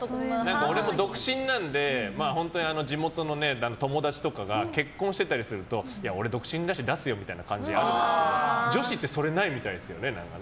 俺も独身なんで地元の友達とかが結婚していたりすると俺、独身だし出すよみたいな感じになるんですけど女子ってそれないみたいですよね。